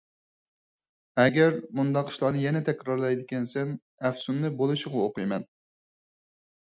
ئەگەر مۇنداق ئىشلارنى يەنە تەكرارلايدىكەنسەن، ئەپسۇننى بولۇشىغا ئوقۇيمەن!